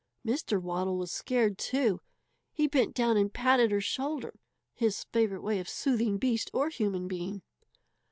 Mr. Waddle was scared, too. He bent down and patted her shoulder his favourite way of soothing beast or human being.